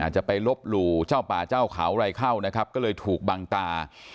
จะไปลบหลู่เจ้าป่าเจ้าเขาอะไรเข้านะครับก็เลยถูกบังตา